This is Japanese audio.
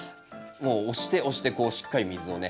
もう押して押してこうしっかり水をね